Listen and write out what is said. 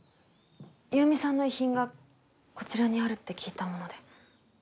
優美さんの遺品がこちらにあるって聞いたもので。